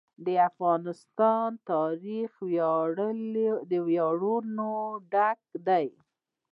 د افغانستان تاریخ له ویاړونو ډک دی.